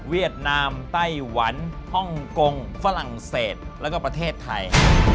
ดนามไต้หวันฮ่องกงฝรั่งเศสแล้วก็ประเทศไทย